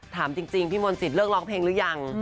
ถามจริงพี่มนตรีเลิกร้องเพลงหรือยัง